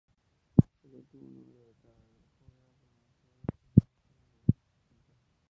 El último número de cada grupo era pronunciado con un tono de voz distinto.